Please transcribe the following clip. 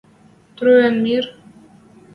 Труйыш мир